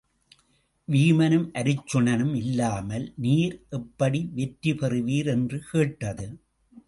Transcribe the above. வீமனும் அருச்சுனனும் இல்லாமல நீர் எப்படி வெற்றி பெறுவீர் என்று கேட்டது.